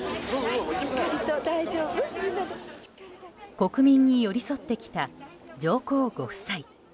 国民に寄り添ってきた上皇ご夫妻。